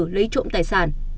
lấy trộm tài sản